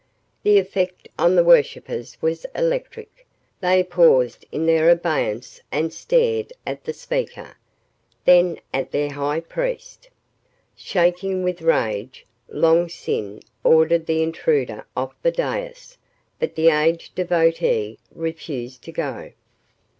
The effect on the worshippers was electric. They paused in their obeisance and stared at the speaker, then at their high priest. Shaking with rage, Long Sin ordered the intruder off the dais. But the aged devotee refused to go.